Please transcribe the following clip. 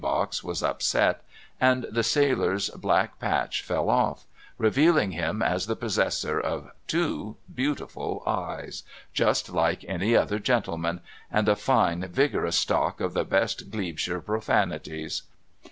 box was upset, and the sailor's black patch fell off, revealing him as the possessor of two beautiful eyes, just like any other gentleman, and a fine, vigorous stock of the best Glebeshire profanities.